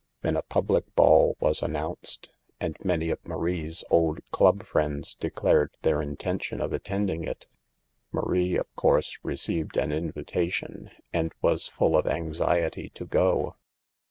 Then a public ball was announced, and many of Marie's old club friends declared their intention of attend ing it. Marie, of course, received an invita tion, and was full of anxiety to go.